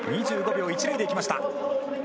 ２５秒１０で行きました。